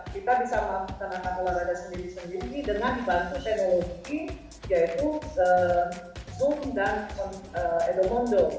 kita bisa berolahraga sendiri sendiri dengan bantu teknologi zoom dan endomondo